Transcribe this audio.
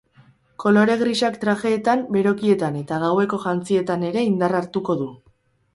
Kolore grisak trajeetan, berokietan eta gaueko jantzietan ere indarra hartuko du.